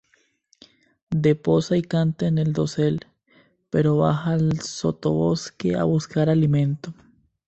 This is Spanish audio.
De posa y canta en el dosel, pero baja al sotobosque a buscar alimento.